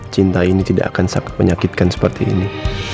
cinta ini tidak akan menyakitkan seperti ini